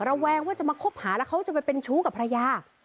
แวงว่าจะมาคบหาแล้วเขาจะไปเป็นชู้กับภรรยา